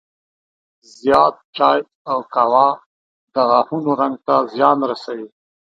زیات چای او قهوه د غاښونو رنګ ته زیان رسوي.